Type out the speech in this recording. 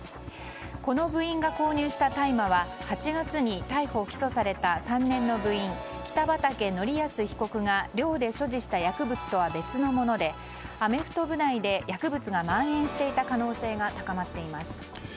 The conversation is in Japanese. この部員が購入した大麻は８月に逮捕・起訴された３年の部員、北畠成文被告が寮で所持した薬物とは別のものでアメフト部内で薬物が蔓延していた可能性が高まっています。